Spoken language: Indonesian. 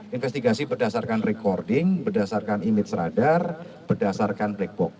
investigasi berdasarkan recording berdasarkan image radar berdasarkan black box